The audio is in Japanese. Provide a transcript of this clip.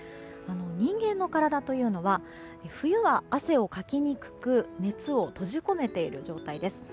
人間の体というのは冬は汗をかきにくく熱を閉じ込めている状態です。